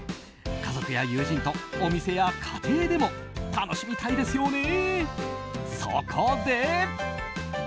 家族や友人と、お店や家庭でも楽しみたいですよね。